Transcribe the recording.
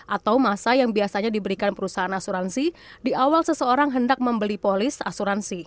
atau masa yang biasanya diberikan perusahaan asuransi di awal seseorang hendak membeli polis asuransi